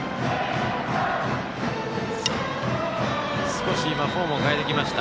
少しフォームを変えてきました。